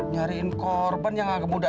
nyariin korban yang agak mudah